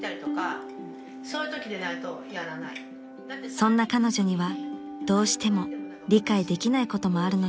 ［そんな彼女にはどうしても理解できないこともあるのです］